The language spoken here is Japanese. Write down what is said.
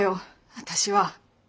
私は。